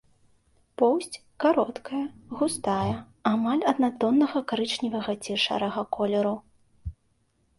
Поўсць кароткая, густая, амаль аднатоннага карычневага ці шэрага колеру.